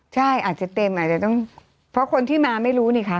ใช่อาจจะเต็มอาจจะต้องเพราะคนที่มาไม่รู้นี่คะ